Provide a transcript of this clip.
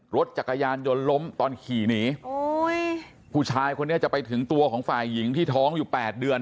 รถจักรยานยนต์ล้มตอนขี่หนีโอ้ยผู้ชายคนนี้จะไปถึงตัวของฝ่ายหญิงที่ท้องอยู่แปดเดือน